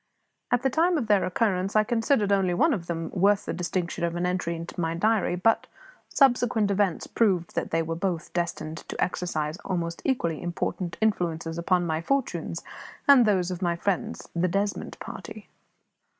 At the time of their occurrence I considered only one of them worth the distinction of an entry in my diary; but subsequent events proved that they were both destined to exercise almost equally important influences upon my fortunes and those of my friends the Desmond party.